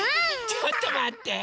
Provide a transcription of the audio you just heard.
ちょっとまって！